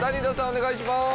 お願いします。